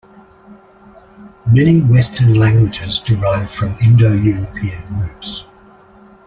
Many Western languages derive from Indo-European roots